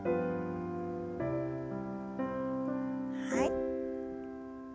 はい。